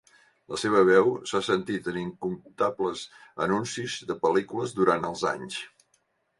La seva veu s'ha sentit en incomptables anuncis de pel·lícules durant els anys.